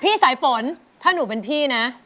สายฝนถ้าหนูเป็นพี่นะ